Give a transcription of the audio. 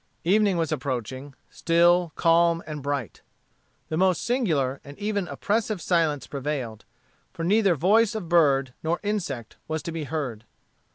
Evening was approaching, still, calm, and bright. The most singular and even oppressive silence prevailed, for neither voice of bird nor insect was to be heard.